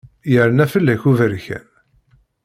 Yerna fell-ak uberkan.